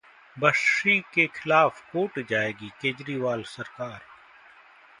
बस्सी के खिलाफ कोर्ट जाएगी केजरीवाल सरकार